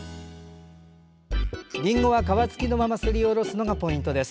りんごは皮つきのまますりおろすのがポイントです。